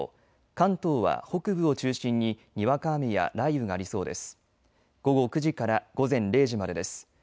関東は北部を中心ににわか雨や雷雨がありそうです。